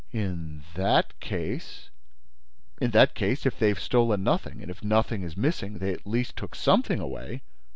"In that case—?" "In that case, if they have stolen nothing and if nothing is missing, they at least took something away."